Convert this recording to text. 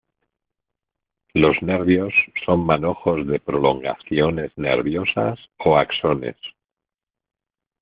Los nervios son manojos de prolongaciones nerviosas o axones.